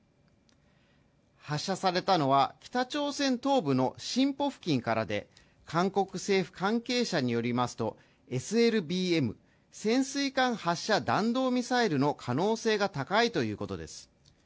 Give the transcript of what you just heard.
発射されたのは北朝鮮東部のシンポ付近からで韓国政府関係者によりますとＳＬＢＭ潜水艦発射弾道ミサイルの可能性が高いということです